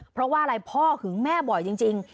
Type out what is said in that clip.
เพราะว่าอะไรพ่อหึงแม่บ่อยจริง